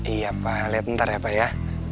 iya pa liat ntar ya pa ya